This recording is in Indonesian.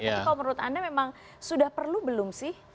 tapi kalau menurut anda memang sudah perlu belum sih